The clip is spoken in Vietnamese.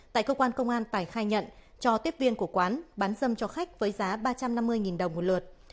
tại cơ quan công an tài khai nhận cho tiếp viên của quán bán dâm cho khách với giá ba trăm năm mươi đồng một lượt